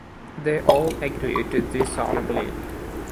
They all agreed to this solemnly.